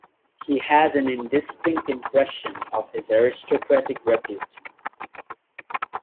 He has an indistinct impression of his aristocratic repute.